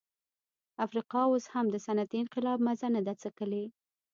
افریقا اوس هم د صنعتي انقلاب مزه نه ده څکلې.